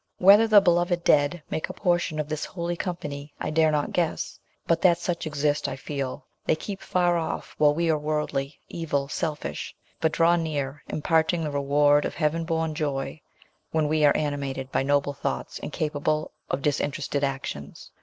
Whether the beloved dead make a portion of this holy company, I dare not guess ; but that such exist, I feel. They keep far off while we are worldly, evil, selfish ; but draw near, imparting the reward of heaven born joy, when we are animated by noble thoughts and capable of disinterested actions.